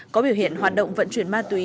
có biểu hiện hoạt động vận chuyển ma túy